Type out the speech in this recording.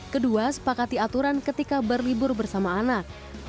kedua sepakati aturan ketika berlibur bersama anak